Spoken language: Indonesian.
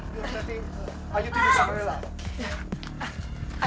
berarti ayu tidur sama rela